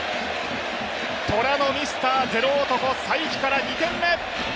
トラのミスターゼロ男才木から２点目。